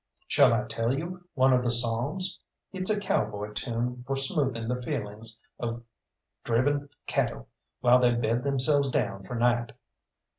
Shall I tell you one of the songs? It's a cowboy tune for smoothing the feelings of driven cattle while they bed themselves down for night.